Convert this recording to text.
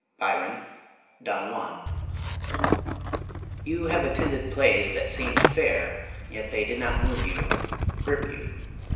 BYRON, Don Juan. You have attended plays that seemed fair, yet they did not move you, grip you.